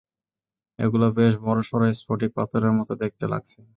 এগুলো বেশ বড়সড় স্ফটিক পাথরের মতো দেখতে লাগছে!